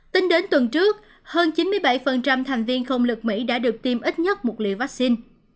tính đến tuần trước hơn chín mươi bảy thành viên không lực mỹ đã được tiêm ít nhất một liều vaccine